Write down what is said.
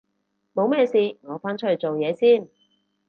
冇咩事我返出去做嘢先